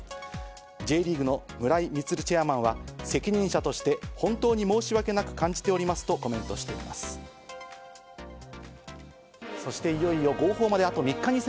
Ｊリーグの村井満チェアマンは、責任者として本当に申し訳なく感じておりますと、コメントしています。